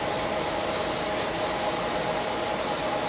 ต้องเติมเนี่ย